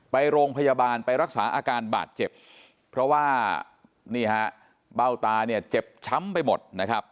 ไปโรงพยาบาลไปรักษาอาการบาดเจ็บเพราะว่านี่ฮะเบ้าตาเนี่ยเจ็บช้ำไปหมดนะครับ